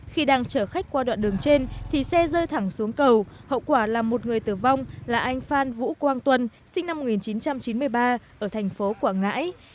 khi đang chở khách qua đoạn đường trên thì xe rơi thẳng xuống cầu hậu quả là một người tử vong là anh phan vũ quang tuân sinh năm một nghìn chín trăm chín mươi ba ở thành phố quảng ngãi